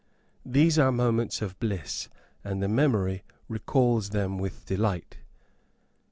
These are moments of bliss; and the memory recalls them with delight.